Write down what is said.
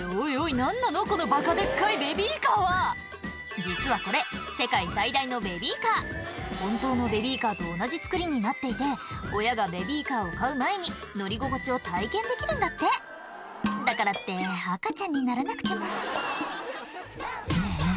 何なのこのバカデッカいベビーカーは実はこれ本当のベビーカーと同じつくりになっていて親がベビーカーを買う前に乗り心地を体験できるんだってだからって赤ちゃんにならなくてもねぇねぇ